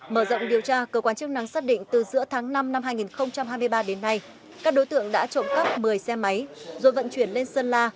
mở rộng điều tra cơ quan chức năng xác định từ giữa tháng năm năm hai nghìn hai mươi ba đến nay các đối tượng đã trộm cắp một mươi xe máy rồi vận chuyển lên sơn la